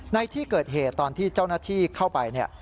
ในที่เกิดเหตุตอนที่เจ้าหน้าที่เข้าไปเนี่ย